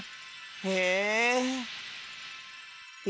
へえ。